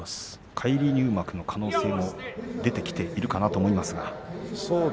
返り入幕の可能性も出てきているかなと思います。